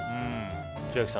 千秋さん